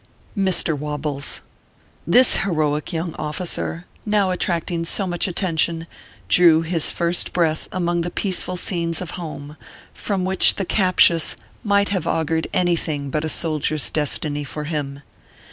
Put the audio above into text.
MR. WOBBLES. This heroic young officer, now attracting so much attention, drew his first breath among the peaceful scenes of home, from which the captious might have augured anything but a soldier s destiny for him.